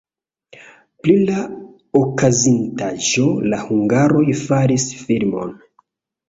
Pri la okazintaĵo la hungaroj faris filmon.